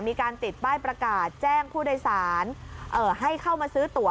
มีการติดป้ายประกาศแจ้งผู้โดยสารให้เข้ามาซื้อตัว